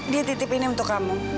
dia titip ini untuk kamu